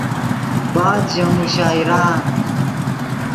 بعد ژے مشاعرآن